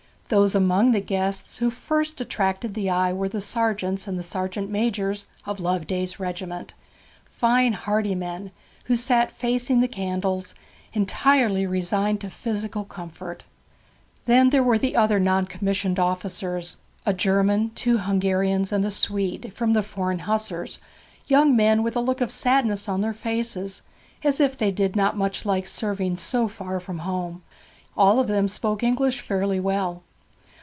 Those among the guests who first attracted the eye were the sergeants and sergeant majors of Loveday's regiment, fine hearty men, who sat facing the candles, entirely resigned to physical comfort. Then there were other non commissioned officers, a German, two Hungarians, and a Swede, from the foreign hussars young men with a look of sadness on their faces, as if they did not much like serving so far from home. All of them spoke English fairly well.